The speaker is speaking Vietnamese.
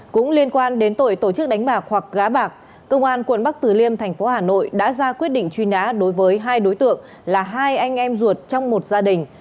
cũng liên quan đến tội tổ chức đánh bạc hoặc gá bạc công an tp hà nội đã ra quyết định truy nã đối với hai đối tượng là hai anh em ruột trong một gia đình